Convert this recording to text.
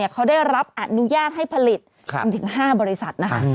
เขาได้รับอนุญาตให้ผลิตถึง๕บริษัทนะคะ